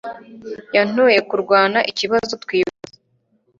Yantoye kurwana ikibazo twibaza